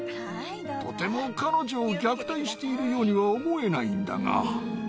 とても彼女を虐待しているようには思えないんだが。